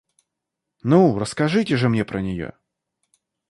Ну, расскажите же мне про нее.